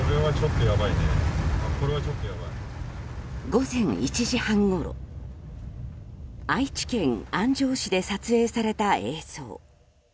午前１時半ごろ愛知県安城市で撮影された映像。